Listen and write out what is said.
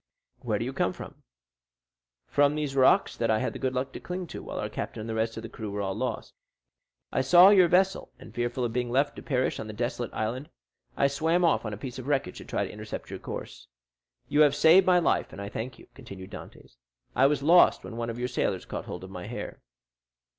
"Where do you come from?" "From these rocks that I had the good luck to cling to while our captain and the rest of the crew were all lost. I saw your vessel, and fearful of being left to perish on the desolate island, I swam off on a piece of wreckage to try and intercept your course. You have saved my life, and I thank you," continued Dantès. "I was lost when one of your sailors caught hold of my hair."